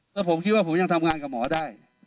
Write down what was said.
แล้วผมคิดว่าผมยังทำงานกับหมอได้